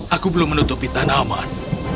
aku belum menutupi tanaman